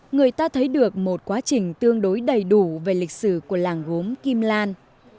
người ta thấy được một quá trình tương đối đầy đủ về lịch sử của làng gốm kim lan